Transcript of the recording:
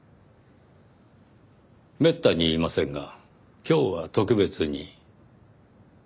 めったに言いませんが今日は特別に。